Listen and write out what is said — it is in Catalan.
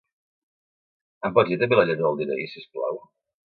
Em pots dir també la lletra del de-ena-i, si us plau?